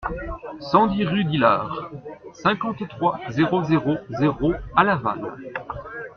cent dix rue d'Hilard, cinquante-trois, zéro zéro zéro à Laval